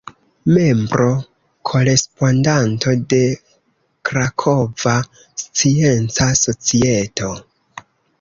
Membro-korespondanto de Krakova Scienca Societo.